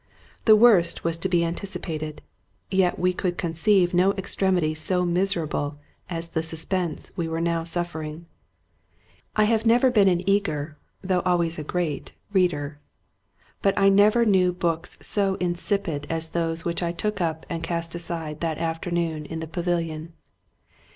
The worst was to be anticipated ; yet we could conceive no extremity so miserable as the suspense we were now suffer ing. I have never been an eager, though always a great, 194 Robert Louis Stevenson reader ; but I never knew books so insipid as those which I took up and cast aside that afternoon in the pavilion.